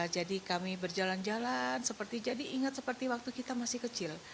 jadi kami berjalan jalan seperti jadi ingat seperti waktu kita masih kecil